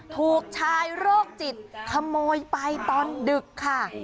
ถูกชายโรคจิตขโมยไปตอนดึกค่ะ